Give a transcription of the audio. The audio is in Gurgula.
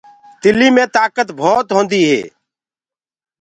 تِلينٚ مي تآڪت جآم هوندي هي۔